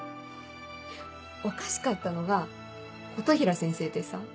おかしかったのが琴平先生でさ。